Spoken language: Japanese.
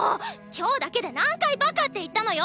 今日だけで何回バカって言ったのよ！